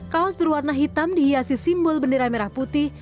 kaos berwarna hitam dihiasi simbol bendera merah putih